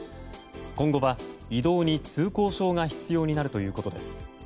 今後は移動に通行証が必要になるということです。